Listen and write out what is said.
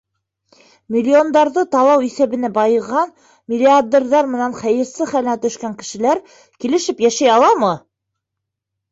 Миллиондарҙы талау иҫәбенә байыған миллиардерҙар менән хәйерсе хәленә төшкән кешеләр килешеп йәшәй аламы?